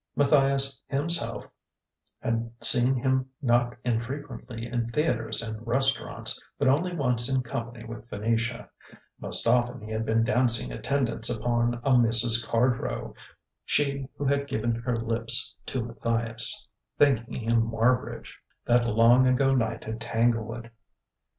Matthias himself had seen him not infrequently in theatres and restaurants, but only once in company with Venetia most often he had been dancing attendance upon a Mrs. Cardrow: she who had given her lips to Matthias, thinking him Marbridge, that long ago night at Tanglewood.